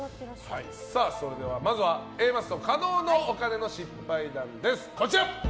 まずはＡマッソ加納のお金の失敗談です。